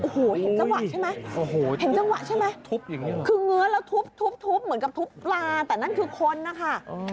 เห็นจังหวะใช่ไหมคือเงื่อละทุบทุบทุบเหมือนกับทุบปลาแต่นั่นคือคนนะค่ะ